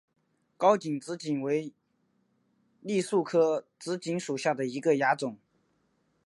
高茎紫堇为罂粟科紫堇属下的一个亚种。